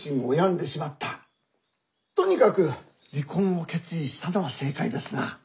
とにかく離婚を決意したのは正解ですな。